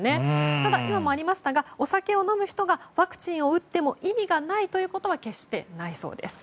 ただ、今もありましたがお酒を飲む人がワクチンを打っても意味がないということは決してないそうです。